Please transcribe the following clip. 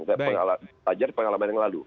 saya belajar pengalaman yang lalu